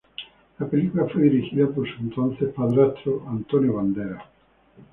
La película fue dirigida por su entonces padrastro, Antonio Banderas.